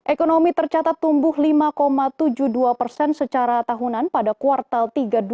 ekonomi tercatat tumbuh lima tujuh puluh dua persen secara tahunan pada kuartal tiga dua ribu dua puluh